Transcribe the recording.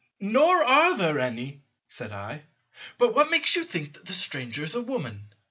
"Nor are they any," said I; "but what makes you think that the stranger is a Woman?